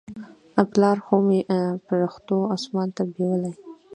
پلار خو مې پرښتو اسمان ته بولى.